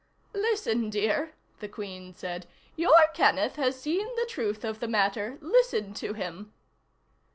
"Listen, dear," the Queen said. "Your Kenneth has seen the truth of the matter. Listen to him."